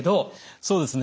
そうですね